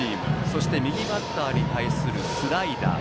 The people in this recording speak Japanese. そして右バッターに対するスライダー。